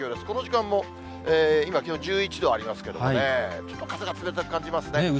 この時間も今、気温１１度ありますけれどもね、ちょっと風が冷たく感じますね。